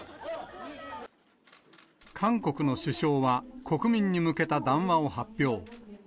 韓国の首相は国民に向けた談話を発表。